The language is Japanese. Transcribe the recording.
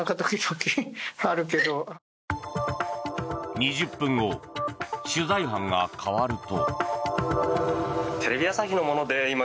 ２０分後取材班が代わると。